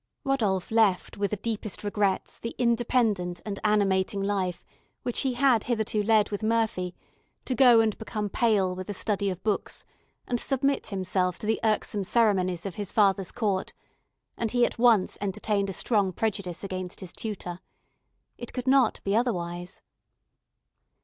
Rodolph left with the deepest regrets the independent and animating life which he had hitherto led with Murphy to go and become pale with the study of books, and submit himself to the irksome ceremonies of his father's court, and he at once entertained a strong prejudice against his tutor. It could not be otherwise.